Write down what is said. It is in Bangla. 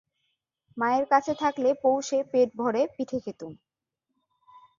মায়ের কাছে থাকলে পৌষে পেট ভরে পিঠে খেতুম।